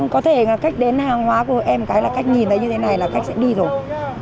có thể là cách đến hàng hóa của em cái là cách nhìn thấy như thế này là khách sẽ đi rồi